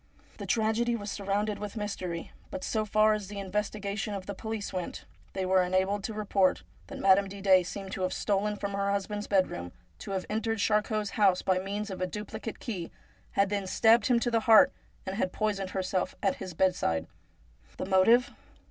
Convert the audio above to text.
The tragedy was surrounded with mystery. But so far as the investigation of the police went, they were enabled to report that Madame 304 STORIES WEIRD AND WONDERFUL Didet seemed to have stolen from her husband's bedroom ; to have entered Charcot's house by means of a duplicate key, had then stabbed him to the heart, and had poisoned herself at his bedside. The motive